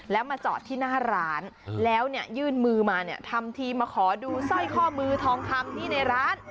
แล้วมาจอดที่หน้าร้านแล้วเนี่ยยื่นมือมาเนี่ยทำทีมาขอดูสร้อยข้อมือทองคำที่ในร้าน